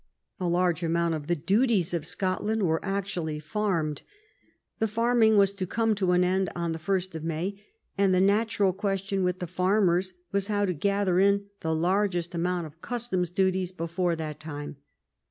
A large amount of the duties of Scotland were actually farmed. " The farming was to come to an end on the 1st of May, and the natural question with the farmers was how to gather in the largest amount of customs duties before that time."